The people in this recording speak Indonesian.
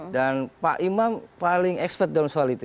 dan pak imam paling expert dalam soal itu